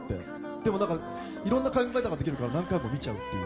でもいろんな考え方ができるから何回も見ちゃうっていう。